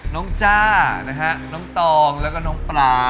จ้านะฮะน้องตองแล้วก็น้องปลา